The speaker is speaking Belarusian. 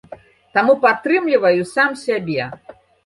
Таму падтрымліваю сам сябе.